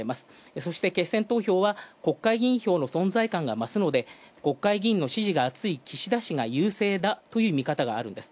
そして、決選投票は国会議員票の存在感が増すので国会議員の支持があつい岸田氏が優勢だという見方があるんです。